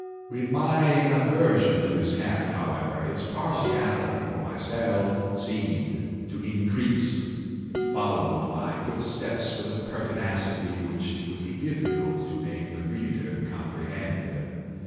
With my aversion to this cat, however, its partiality for myself seemed to increase. It followed my footsteps with a pertinacity which it would be difficult to make the reader comprehend.